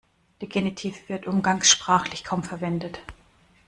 Der Genitiv wird umgangssprachlich kaum verwendet.